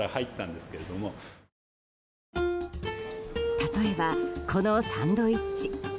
例えば、このサンドイッチ。